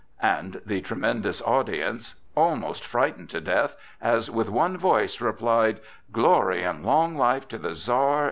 And the tremendous audience, almost frightened to death, as with one voice replied: "Glory and long life to the Czar!